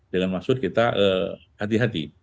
dengan maksud kita hati hati